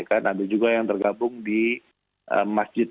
ada juga yang tergabung di masjid